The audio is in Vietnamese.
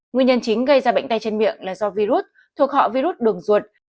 nguyên nhân chính gây ra bệnh tay chân miệng là do virus thuộc họ virus đường ruột